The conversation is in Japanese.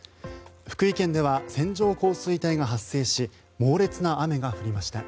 福井県では線状降水帯が発生し猛烈な雨が降りました。